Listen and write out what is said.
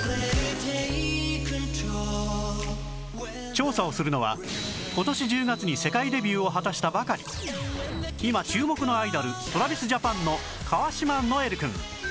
調査をするのは今年１０月に世界デビューを果たしたばかり今注目のアイドル ＴｒａｖｉｓＪａｐａｎ の川島如恵留くん